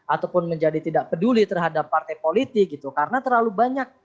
ataupun menjadi tidak peduli terhadap partai politik gitu karena terlalu banyak sekali lah frankly